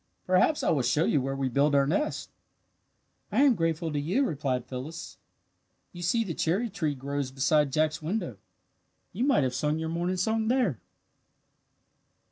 Perhaps I will show you where we build our nest." "I am grateful to you," replied Phyllis. "You see the cherry tree grows beside Jack's window. You might have sung your morning song there."